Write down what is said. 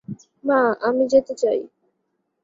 মা, আমি যেতে চাই।